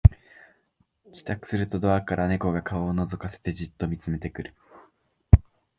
帰宅するとドアから猫が顔をのぞかせてじっと見つめてくる